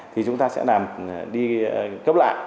thì chúng ta sẽ làm đi cấp lại